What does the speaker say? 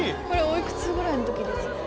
おいくつぐらいの時ですか？